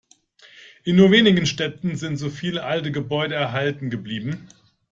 In nur wenigen Städten sind so viele alte Gebäude erhalten geblieben.